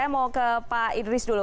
saya mau ke pak idris dulu